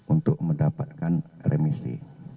untuk mendapatkan remisi